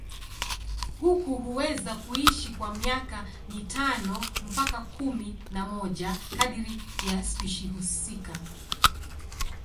Kuku huweza kuishi kwa miaka mitano mpaka kumi na moja kadiri ya spishi husika.